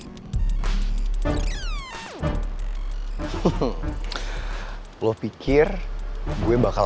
bagaimana harus diulturin ke turkey